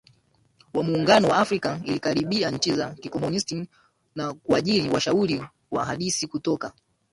wa Muungano wa Afrika Alikaribia nchi za kikomunisti na kuajiri washauri na wahandisi kutoka